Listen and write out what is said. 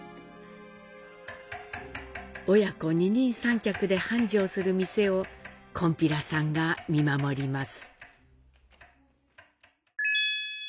親子二人三脚で繁盛する店を「こんぴらさん」が見守ります。